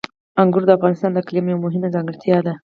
انګور د افغانستان د اقلیم یوه مهمه ځانګړتیا ده.